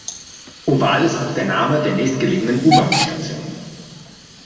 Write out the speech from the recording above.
Oval ist auch der Name der nächstgelegenen U-Bahn-Station.